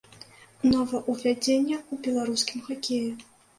Новаўвядзенне ў беларускім хакеі.